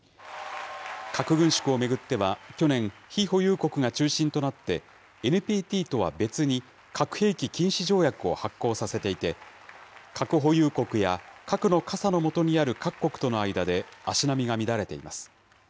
核軍縮を巡っては去年、非保有国が中心となって、ＮＰＴとは別に、核兵器禁止条約を発効させていて、核保有国や、核の傘の下にある各国との間で、足並みが乱れています。